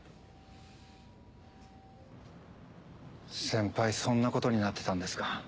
先輩そんなことになってたんですか。